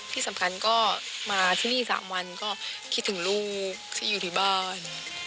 ที่สำคัญก็มาที่นี่๓วันก็คิดถึงลูกที่อยู่ที่บ้าน